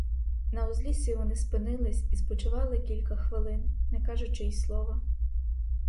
На узліссі вони спинились і спочивали кілька хвилин, не кажучи й слова.